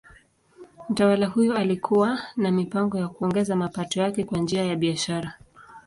Mtawala huyo alikuwa na mipango ya kuongeza mapato yake kwa njia ya biashara.